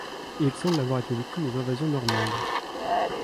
Il semble avoir été victime des invasions normandes.